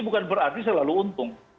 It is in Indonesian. bukan berarti selalu untung